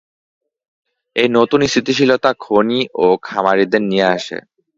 এই নতুন স্থিতিশীলতা খনি ও খামারীদের নিয়ে আসে।